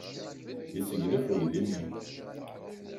Yesseglef uydi-nni.